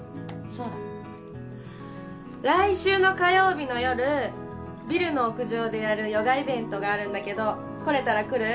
そうだ来週の火曜日の夜ビルの屋上でやるヨガイベントがあるんだけど来れたら来る？